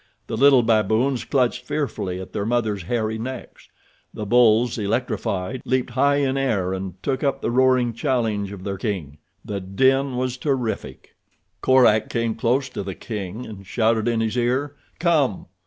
The little baboons clutched fearfully at their mothers' hairy necks. The bulls, electrified, leaped high in air and took up the roaring challenge of their king. The din was terrific. Korak came close to the king and shouted in his ear, "Come."